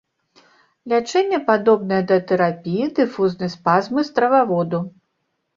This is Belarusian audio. Лячэнне падобнае да тэрапіі дыфузнай спазмы страваводу.